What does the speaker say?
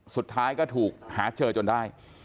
สุดท้ายก็ถูกหาเจอจนได้